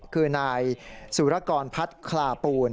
คือนายสุรกรพัฒน์คลาปูน